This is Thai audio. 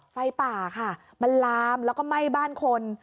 ไฟป่าค่ะมันลามแล้วก็ไหม้บ้านคน